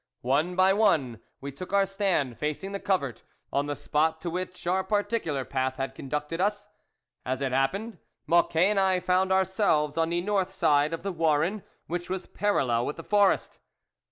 One by one we took our stand facing the covert, on the spot to which our par ticular path had conducted us. As it happened, Mocquet and I found ourselves on the north side of the warren, which was parallel with the forest.